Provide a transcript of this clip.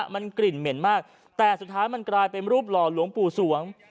มันกลิ่นเหม็นมากแต่สุดท้ายมันกลายเป็นรูปหล่อหลวงปู่สวง